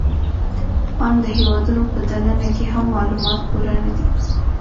آن د هېوادونو په دننه کې هم معلومات پوره نهدي